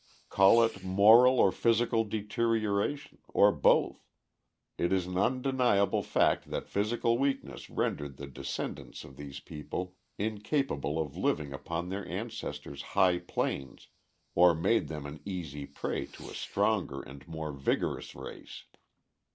Call it moral or physical deterioration, or both, it is an undeniable fact that physical weakness rendered the descendants of these peoples incapable of living upon their ancestors' high planes, or made them an easy prey to a stronger and more vigorous race.